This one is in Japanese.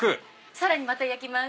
さらにまた焼きます。